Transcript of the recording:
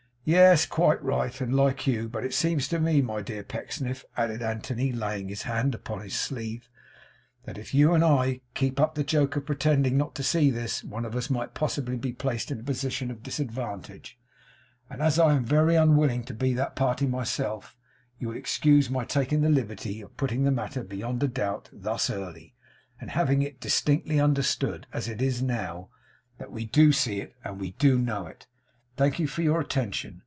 Yes, quite right. And like you! But it seems to me, my dear Pecksniff,' added Anthony, laying his hand upon his sleeve, 'that if you and I kept up the joke of pretending not to see this, one of us might possibly be placed in a position of disadvantage; and as I am very unwilling to be that party myself, you will excuse my taking the liberty of putting the matter beyond a doubt thus early; and having it distinctly understood, as it is now, that we do see it, and do know it. Thank you for your attention.